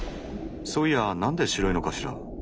そういやなんで白いのかしら？